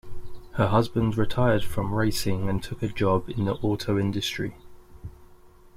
Her husband retired from racing and took a job in the auto industry.